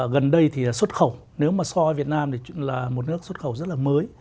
gần đây thì xuất khẩu nếu mà so với việt nam thì là một nước xuất khẩu rất là mới